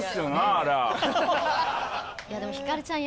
ありゃいやでもひかりちゃん